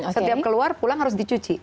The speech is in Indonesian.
setiap keluar pulang harus dicuci